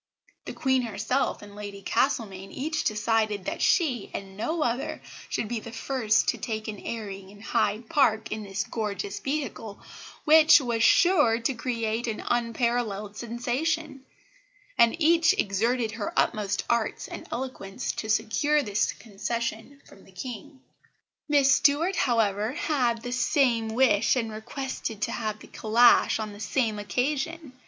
The Queen herself and Lady Castlemaine each decided that she and no other should be the first to take an airing in Hyde Park in this georgeous vehicle, which was sure to create an unparalleled sensation; and each exerted her utmost arts and eloquence to secure this concession from the King. "Miss Stuart, however, had the same wish and requested to have the calash on the same occasion.